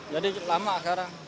jadi lama sekarang